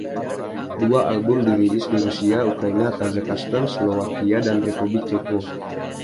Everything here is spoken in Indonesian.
Dua album dirilis di Rusia, Ukraina, Kazakhstan, Slowakia, dan Republik Ceko.